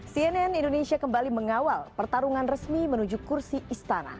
cnn indonesia kembali mengawal pertarungan resmi menuju kursi istana